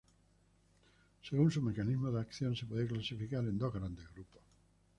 Según su mecanismo de acción se pueden clasificar en dos grandes grupos.